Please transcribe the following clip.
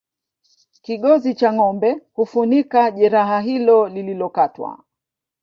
kigozi cha ngombe hufunika jeraha hilo lililokatwa